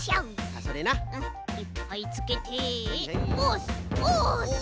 いっぱいつけてオス！